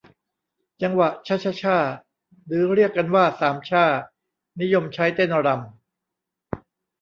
จังหวะชะชะช่า หรือเรียกกันว่าสามช่า นิยมใช้เต้นรำ